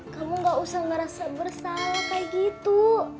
kamu gak usah ngerasa bersalah kayak gitu